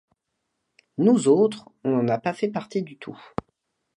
Nous autres, on n'en a pas fait partie du tout.